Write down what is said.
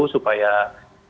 supaya pak fajar